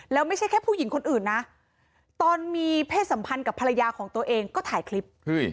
แล้วไม่ใช่แค่ผู้หญิงคนอื่นนะตอนมีเพศสัมพันธ์กับภรรยาของตัวเองก็ถ่ายคลิป